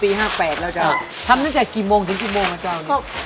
ไส้แล้วก็เอาไม้กระทุ้งก็จะไปนะจ้า